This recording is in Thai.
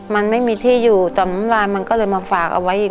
มันไม่มีที่อยู่แต่น้ำลายมันก็เลยมาฝากเอาไว้อีก